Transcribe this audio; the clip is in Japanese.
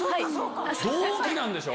同期なんでしょ？